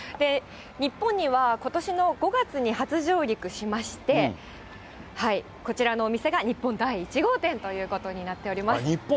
日本にはことしの５月に初上陸しまして、こちらのお店が日本第１号店ということになっております。